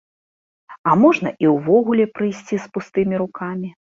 А можна і ўвогуле прыйсці з пустымі рукамі.